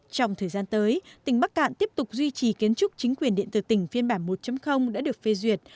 trong thời gian tới tỉnh bắc cạn tiếp tục duy trì kiến trúc chính quyền điện tử tỉnh phiên bản một đã được phê duyệt